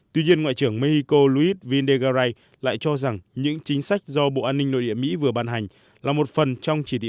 tuy nhiên ngoại trưởng mexico luis vindegaray lại cho rằng những chính sách do bộ an ninh nội địa mỹ vừa ban hành là một phần trong chỉ thị mới của ông